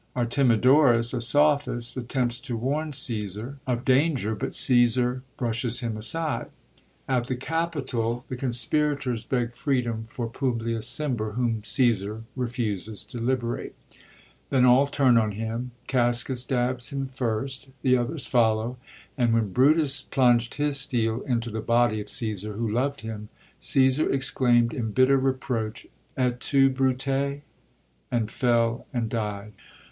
Artemidorus, a sophist^ attempts to warn Csosar of danger, but Csssar brushes him aside. At the Capitol 1x6 JULIUS CASSAR HAMLET the coDspirators beg freedom for Publius Cimber, whom Caesar refuses to liberate. Then all turn on him : Casca stabs him first; the others follow; and when Brutus plunged his steel into the body of Caesar, who lovd him, Caesar exclaimd in bitter reproach, * Et tu. Brute V and fell, and died.